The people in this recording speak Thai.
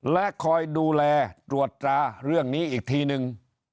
และคอยดูแลตรวจตราเรื่องนี้อีกทีนึง